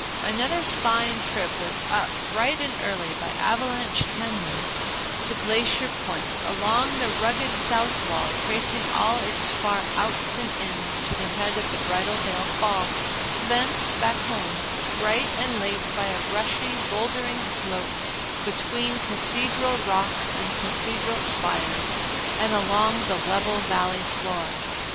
Another fine trip was up, bright and early, by Avalanche Cañon to Glacier Point, along the rugged south wall, tracing all its far outs and ins to the head of the Bridal Veil Fall, thence back home, bright and late, by a brushy, bouldery slope between Cathedral rocks and Cathedral spires and along the level Valley floor.